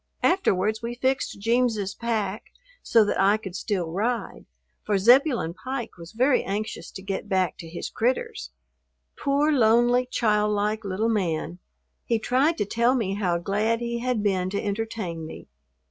Afterwards we fixed "Jeems's" pack so that I could still ride, for Zebulon Pike was very anxious to get back to his "critters." Poor, lonely, childlike little man! He tried to tell me how glad he had been to entertain me.